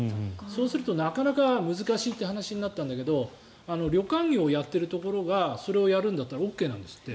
そうするとなかなか難しいとなったんだけど旅館業をやっているところがそれをやるんだったらＯＫなんですって。